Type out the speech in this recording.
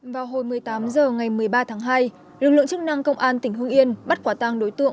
vào hồi một mươi tám h ngày một mươi ba tháng hai lực lượng chức năng công an tỉnh hương yên bắt quả tang đối tượng